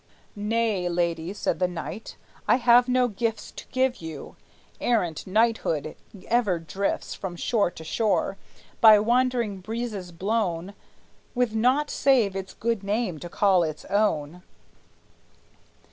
"Nay, lady," said the knight, "I have no gifts To give you. Errant knighthood ever drifts From shore to shore, by wandering breezes blown, With naught save its good name to call its own.